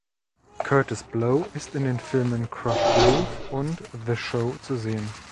Kurtis Blow ist in den Filmen "Krush groove" und "The Show" zu sehen.